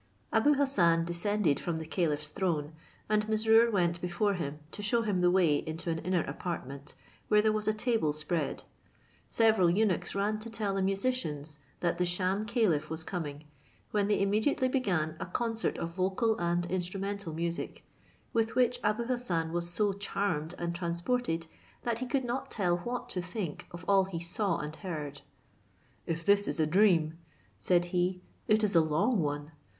Abou Hassan descended from the caliph's throne, and Mesrour went before him, to shew him the way into an inner apartment, where there was a table spread; several eunuchs ran to tell the musicians that the sham caliph was coming, when they immediately began a concert of vocal and instrumental music, with which Abou Hassan was so charmed and transported, that he could not tell what to think of all he saw and heard. "If this is a dream," said he, "it is a long one.